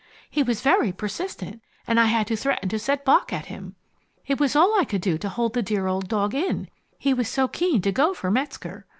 He was very persistent, and I had to threaten to set Bock at him. It was all I could do to hold the dear old dog in, he was so keen to go for Metzger.